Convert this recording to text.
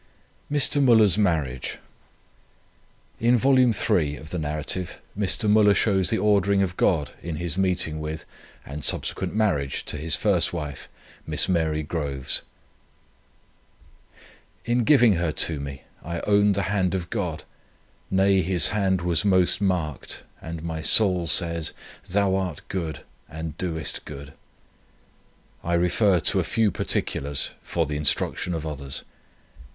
MR. MÜLLER'S MARRIAGE. In Vol. 3 of The Narrative, Mr. Müller shows the ordering of God in his meeting with and subsequent marriage to his first wife, Miss Mary Groves. "In giving her to me, I own the hand of God; nay, His hand was most marked; and my soul says, 'Thou art good, and doest good.' "I refer to a few particulars for the instruction of others.